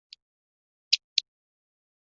是一个重要的区域性商业和旅游业中心。